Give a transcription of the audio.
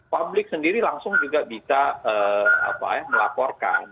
publik sendiri langsung juga bisa melaporkan